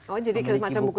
oh jadi seperti buku tabungan